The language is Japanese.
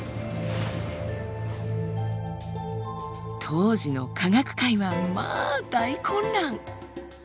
当時の科学界はまあ大混乱！